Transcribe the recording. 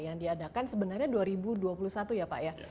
yang diadakan sebenarnya dua ribu dua puluh satu ya pak ya